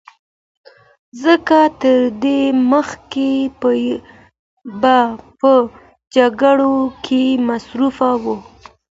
ځکه تر دې مخکې به په جګړو کې مصروف و